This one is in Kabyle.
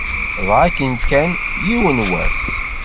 Dɣa akken-kan, yiwen n wass.